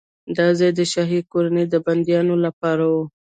دا ځای د شاهي کورنۍ د بندیانو لپاره و.